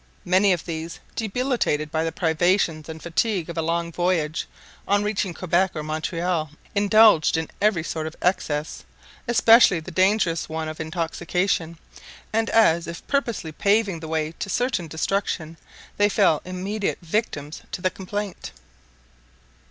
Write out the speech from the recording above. Many of these, debilitated by the privations and fatigue of a long voyage, on reaching Quebec or Montreal indulged in every sort of excess, especially the dangerous one of intoxication; and, as if purposely paving the way to certain destruction, they fell immediate victims to the complaint.